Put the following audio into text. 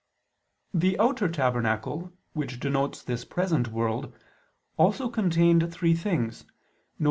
The outer tabernacle, which denotes this present world, also contained three things, viz.